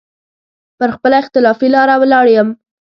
پر خپله اختلافي لاره ولاړ يم.